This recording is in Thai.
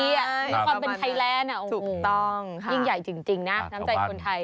ด้วยความเป็นไทยแลนด์ต้องยิ่งใหญ่จริงนะน้ำใจคนไทย